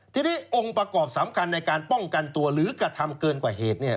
ทีนี้องค์ประกอบสำคัญในการป้องกันตัวหรือกระทำเกินกว่าเหตุเนี่ย